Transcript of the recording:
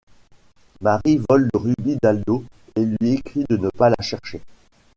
Marie vole le rubis d'Aldo et lui écrit de ne pas la chercher.